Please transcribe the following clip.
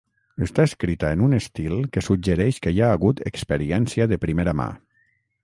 Està escrita en un estil que suggereix que hi ha hagut experiència de primera mà.